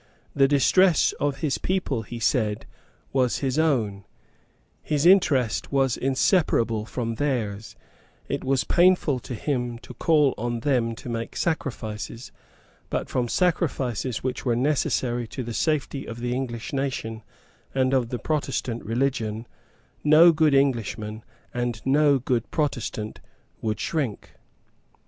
The distress of his people, he said, was his own; his interest was inseparable from theirs; it was painful to him to call on them to make sacrifices; but from sacrifices which were necessary to the safety of the English nation and of the Protestant religion no good Englishman and no good Protestant would shrink.